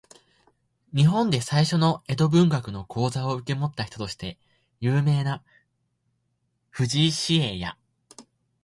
日本で最初の江戸文学の講座を受け持った人として有名な藤井紫影や、